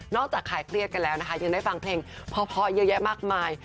จากคลายเครียดกันแล้วนะคะยังได้ฟังเพลงเพาะเยอะแยะมากมาย